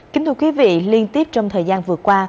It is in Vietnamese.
kính thưa quý vị liên tiếp trong thời gian vừa qua